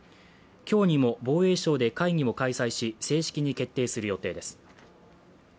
今日にも防衛省で会議を開催し正式に決定する予定です。